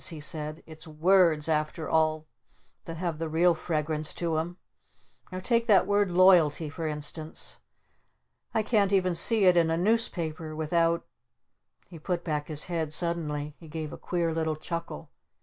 he said. "It's words after all that have the real fragrance to 'em! Now take that word 'Loyalty' for instance. I can't even see it in a Newspaper without " He put back his head suddenly. He gave a queer little chuckle.